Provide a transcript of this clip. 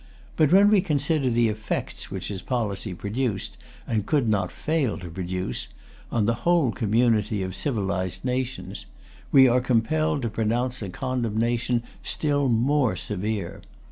But when we consider the effects which his policy produced, and could not fail to produce, on the whole community of civilized nations, we are compelled to pronounce a condemnation still more severe.